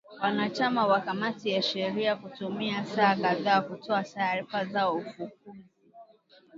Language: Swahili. wanachama wa kamati ya sheria kutumia saa kadhaa kutoa taarifa zao ufunguzi